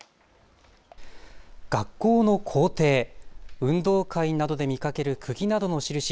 学校の校庭、運動会などで見かけるくぎなどの印。